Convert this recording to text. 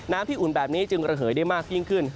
น้ำที่อุ่นแบบนี้จึงระเหยได้มากยิ่งขึ้น